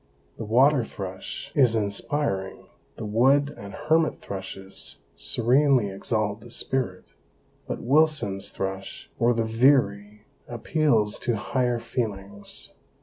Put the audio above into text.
The water thrush is inspiring, the wood and hermit thrushes 'serenely exalt the spirit,' but Wilson's thrush or the veery appeals to higher feelings.